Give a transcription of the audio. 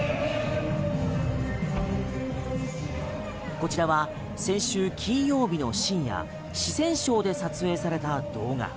こちらは先週金曜日の深夜四川省で撮影された動画。